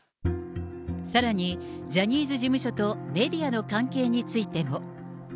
さらにジャニーズ事務所とメディアの関係についても。